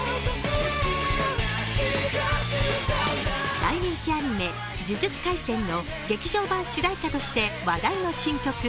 大人気アニメ「呪術廻戦」の劇場版主題歌として話題の新曲。